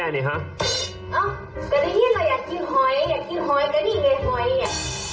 อ้าวกะทิเราอยากกินหอย